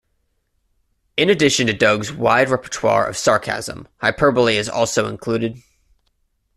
In addition to Doug's wide repertoire of sarcasm, hyperbole is also included.